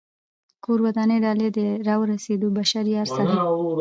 کور ودان ډالۍ دې را و رسېده بشر یار صاحب